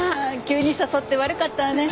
急に誘って悪かったわね。